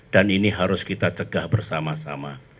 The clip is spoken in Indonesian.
dan ini harus kita cegah bersama sama